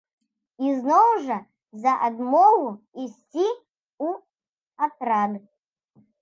Ізноў жа за адмову ісці ў атрад.